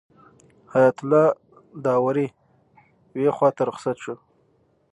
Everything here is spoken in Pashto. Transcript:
حیات الله داوري یوې خواته رخصت شو.